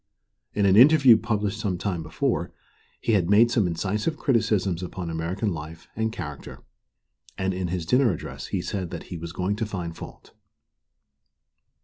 In an interview published some time before, he had made some incisive criticisms upon American life and character, and in his dinner address he said that he was going to find fault.